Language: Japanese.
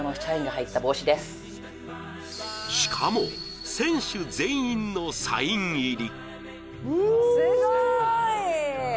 しかも、選手全員のサイン入り。